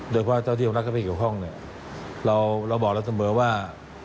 โดยเพราะเจ้าที่ของนักเข้าไปเกี่ยวข้องเนี่ยเราบอกเราเสมอว่า